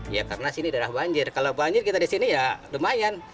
ya karena sini darah banjir kalau banjir kita di sini ya lumayan